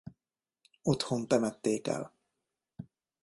Otthon temették el.